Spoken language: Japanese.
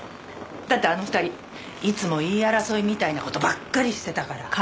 だってあの２人いつも言い争いみたいな事ばっかりしてたから。